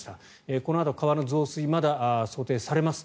このあと川の増水まだ想定されます。